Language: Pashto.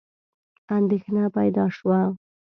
اندېښنه پیدا شوه.